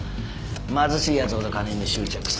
貧しいやつほど金に執着する。